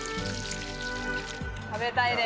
食べたいです。